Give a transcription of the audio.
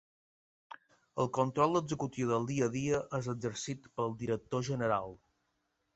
El control executiu del dia a dia és exercit pel Director General.